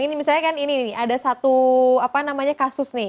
ini misalnya kan ini nih ada satu kasus nih